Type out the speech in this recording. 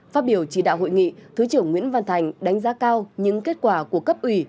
phát biểu chỉ đạo hội nghị thứ trưởng nguyễn văn thành đánh giá cao những kết quả của cấp ủy